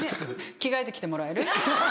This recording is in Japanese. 着替えて来てもらえる？